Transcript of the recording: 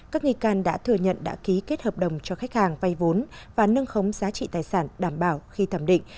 các nghi can đã thừa nhận đã ký kết hợp đồng cho khách hàng vay vốn và nâng khống giá trị tài sản đảm bảo khi thẩm định